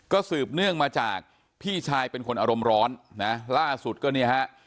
ก็สืบเนื่องมาจากพี่ชายเป็นคนอารมณ์ร้อนนะล่าสุดก็เนี่ยฮะ